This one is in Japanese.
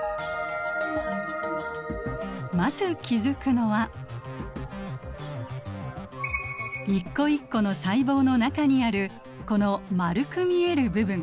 まず気付くのは一個一個の細胞の中にあるこの丸く見える部分。